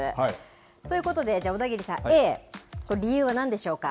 ということで、じゃあ、小田切さん、Ａ、これ、理由はなんでしょうか？